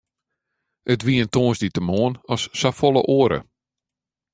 It wie in tongersdeitemoarn as safolle oare.